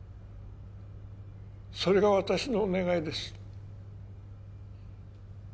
それが私の願いです